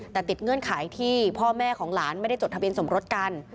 แต่ติดเงื่อนไขที่พ่อแม่ของหลานไม่ได้จดทะเบียนสมรสกัน